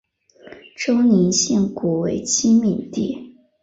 周宁县古为七闽地。